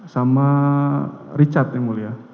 sama richard yang mulia